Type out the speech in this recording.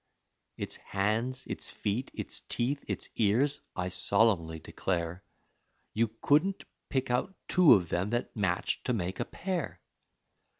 Its hands, its feet, its teeth, its ears, I solemnly declare, You couldn't pick out two of them that matched to make a pair!